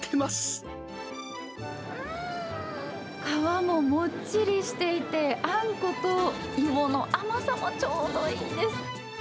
皮ももっちりしていて、あんこと芋の甘さもちょうどいいです。